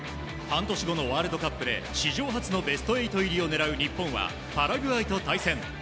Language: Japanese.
半年後のワールドカップで史上初のベスト８入りを狙う日本はパラグアイと対戦。